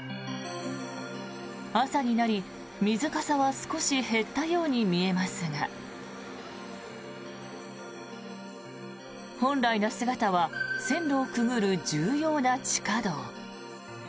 朝になり、水かさは少し減ったように見えますが本来の姿は線路をくぐる重要な地下道。